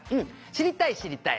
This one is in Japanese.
知りたい知りたい。